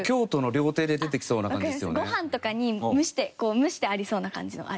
ご飯とかに蒸してこう蒸してありそうな感じの味。